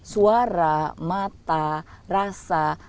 suara mata rasa